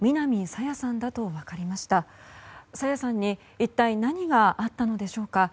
朝芽さんに一体何があったのでしょうか。